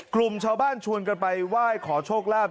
กลุ่มชาวบ้านชวนกันไปไหว้ขอโชคลาภ